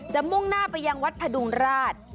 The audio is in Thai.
มุ่งหน้าไปยังวัดพดุงราช